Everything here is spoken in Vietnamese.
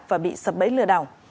và bị sập bẫy lừa đảo